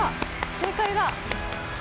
正解だ。